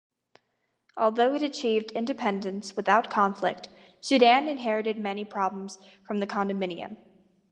Although it achieved independence without conflict, Sudan inherited many problems from the condominium.